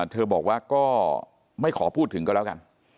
เธอบอกว่าก็ไม่ขอพูดถึงก็แล้วกัน